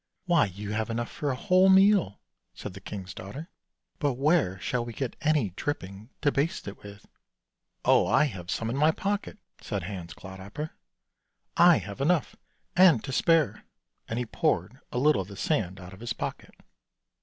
" Why you have enough for a whole meal," said the king's daughter; " but where shall we get any dripping to baste it with? "" Oh, I have some in my pocket," said Hans Clodhopper; " I have enough and to spare," and he poured a little of the sand out of his pocket.